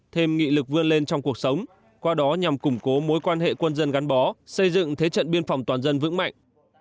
thêm nghị lực vươn lên trong cuộc sống qua đó nhằm củng cố mối quan hệ quân dân gắn bó xây dựng thế trận biên phòng toàn dân vững mạnh